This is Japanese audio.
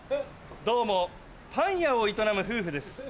どうもパン屋を営む夫婦です。